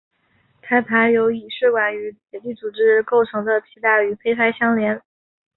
胎盘由以血管与结缔组织构成的脐带与胚胎相连。